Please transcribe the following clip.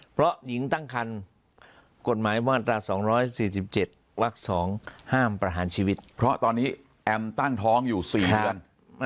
เพราะหญิงตั้งคันกฎหมายว่าตราสองร้อยสี่สิบเจ็ดวักสองห้ามประหารชีวิตเพราะตอนนี้แอมตั้งท้องอยู่สี่นึง